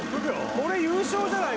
これ優勝じゃない？